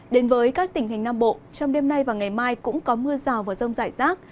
đến với các tỉnh thành nam bộ trong đêm nay và ngày mai cũng có mưa rào và rông rải rác